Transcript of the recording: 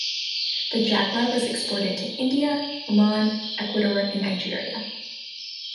The Jaguar was exported to India, Oman, Ecuador and Nigeria.